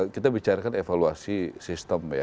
kita bicarakan evaluasi sistem ya